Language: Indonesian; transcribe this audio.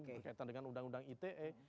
berkaitan dengan undang undang ite